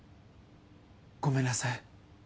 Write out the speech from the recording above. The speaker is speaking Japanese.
ごめんなさい。